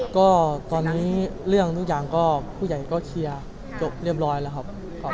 ก็ตอนนั้นเรื่องทุกอย่างก็ผู้ใหญ่ก็เคลียร์จบเรียบร้อยแล้วครับ